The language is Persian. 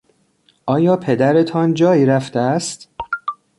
آیا پدرتان جایی رفته است؟